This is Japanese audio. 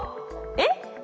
えっ？